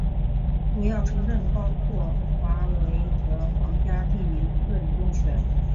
主要城镇包括华威和皇家利明顿温泉。